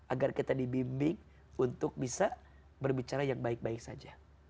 agar kita dibimbing untuk bisa berbicara yang baik baik saja